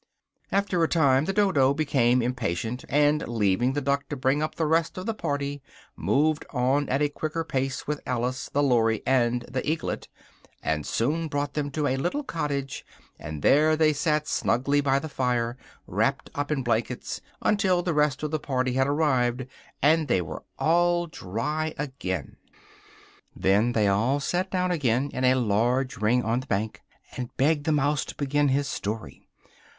After a time the Dodo became impatient, and, leaving the Duck to bring up the rest of the party, moved on at a quicker pace with Alice, the Lory, and the Eaglet, and soon brought them to a little cottage, and there they sat snugly by the fire, wrapped up in blankets, until the rest of the party had arrived, and they were all dry again. Then they all sat down again in a large ring on the bank, and begged the mouse to begin his story.